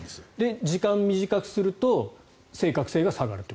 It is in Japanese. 時間を短くすると正確性が下がると。